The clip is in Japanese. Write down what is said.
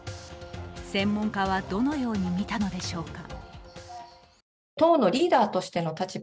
専門家はどのように見たのでしょうか。